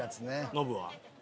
ノブは？